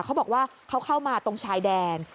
เขาบอกว่าเขาเข้ามาตรงชายแดน